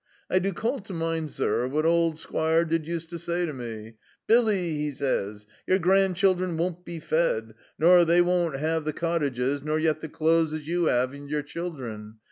"'I do call to mind, zur, what old Squire did use to zay to me: "Billy," 'e zays, "your grandchildren won't be fed, nor they won't 'ave the cottages, nor yet the clothes as you 'ave and your children.